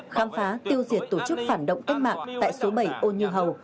khám phá tiêu diệt tổ chức phản động cách mạng tại số bảy ô như hầu